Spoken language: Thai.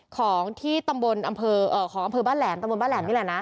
ของที่ตำบลอำเภอของอำเภอบ้านแหลมตะบนบ้านแหลมนี่แหละนะ